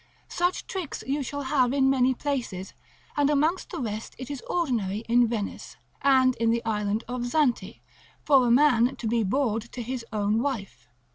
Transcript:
Such tricks you shall have in many places, and amongst the rest it is ordinary in Venice, and in the island of Zante, for a man to be bawd to his own wife.